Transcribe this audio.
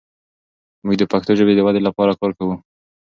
موږ د پښتو ژبې د ودې لپاره کار کوو.